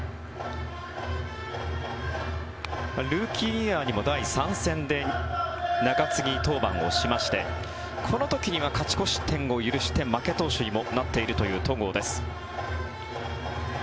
ルーキーイヤーにも第３戦で中継ぎ登板をしましてこの時には勝ち越し点を許して負け投手にもなっているという戸郷です。